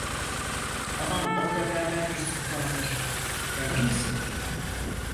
Aman, orda berber Yusuf vardır, tanır mısın?